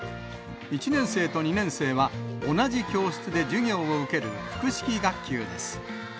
１年生と２年生は同じ教室で授業を受ける複式学級です。